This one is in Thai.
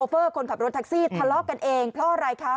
เฟอร์คนขับรถแท็กซี่ทะเลาะกันเองเพราะอะไรคะ